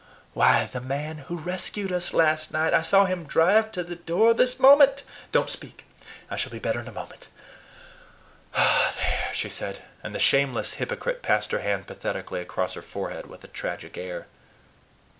Why, the man who rescued us last night! I saw him drive to the door this moment. Don't speak; I shall be better in a moment there!" she said, and the shameless hypocrite passed her hand pathetically across her forehead with a tragic air.